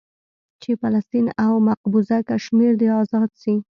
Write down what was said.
چې فلسطين او مقبوضه کشمير دې ازاد سي.